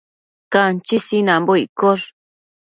Canchi sinanbo iccosh